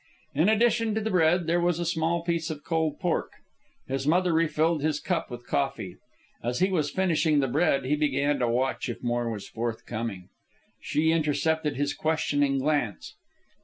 In addition to the bread, there was a small piece of cold pork. His mother refilled his cup with coffee. As he was finishing the bread, he began to watch if more was forthcoming. She intercepted his questioning glance.